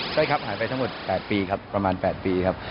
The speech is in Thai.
ใช่ครับหายไปทั้งหมด๘ปีครับประมาณ๘ปีครับ